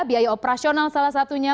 biaya operasional salah satunya